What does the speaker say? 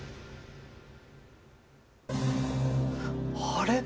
あれ？